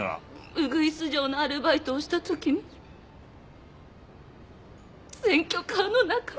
ウグイス嬢のアルバイトをしたときに選挙カーの中で。